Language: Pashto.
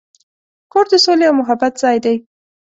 کور د سولې او محبت ځای دی.